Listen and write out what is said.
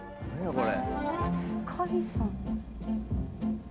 これ。